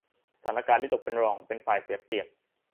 สถานการณ์ที่ตกเป็นรองเป็นฝ่ายเสียเปรียบ